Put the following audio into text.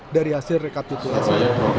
dari hasil rekapitulasi